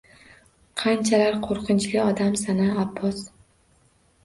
Qanchalar qo`rqinchli odamsan-a, Abbos